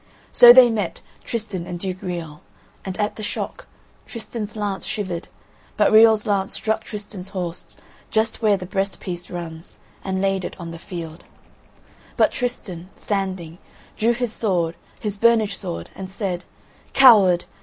So they met, Tristan and Duke Riol. And at the shock, Tristan's lance shivered, but Riol's lance struck Tristan's horse just where the breast piece runs, and laid it on the field. But Tristan, standing, drew his sword, his burnished sword, and said: "Coward!